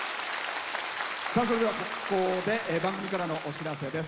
それでは、ここで番組からのお知らせです。